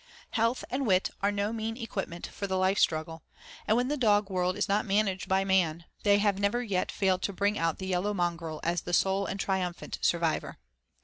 Health and wit are no mean equipment for the life struggle, and when the dog world is not 'managed' by man, they have never yet failed to bring out the yellow mongrel as the sole and triumphant survivor.